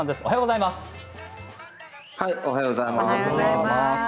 おはようございます。